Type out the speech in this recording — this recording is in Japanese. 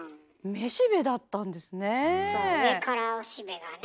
めしべだったんですね。